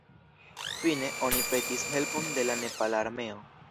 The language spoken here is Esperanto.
Fine, oni petis helpon de la Nepala Armeo.